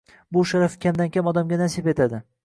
Bu sharaf kamdan-kam odamga nasib etadi